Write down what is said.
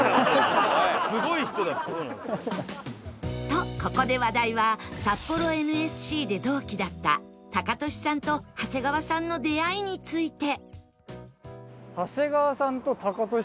とここで話題は札幌 ＮＳＣ で同期だったタカトシさんと長谷川さんの出会いについて